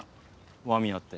「和宮」って。